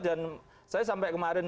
dan saya sampai kemarin